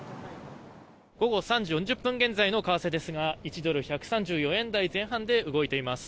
午後３時４０分現在の為替ですが１ドル＝１３４円台前半で動いています。